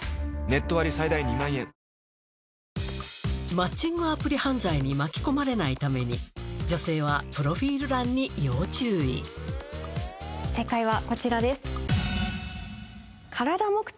マッチングアプリ犯罪に巻き込まれないために女性はプロフィール欄に要注意正解はこちらです。